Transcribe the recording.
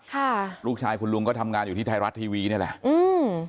ค่ะลูกชายคุณลุงก็ทำงานอยู่ที่ไทยรัฐทีวีนี่แหละอืม